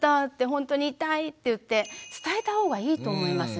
ほんとに痛い」って言って伝えた方がいいと思います。